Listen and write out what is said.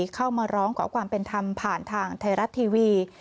เข้ามาร้องขอความเป็นธรรมผ่านทางไทยรัฐทีวี